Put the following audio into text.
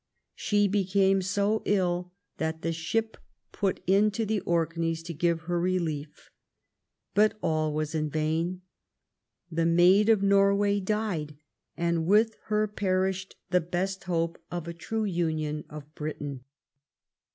She became so ill that the ship put in to the Orkneys to give her relief. But all was in vain. The Maid of Norway died, and with her perished the best hope of a true union of Britain.